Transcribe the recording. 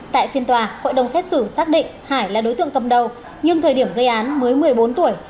tại phiên tòa hội đồng xét xử xác định hải là đối tượng cầm đầu nhưng thời điểm gây án mới một mươi bốn tuổi